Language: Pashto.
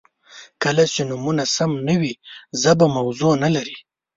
• کله چې نومونه سم نه وي، ژبه موضوع نهلري.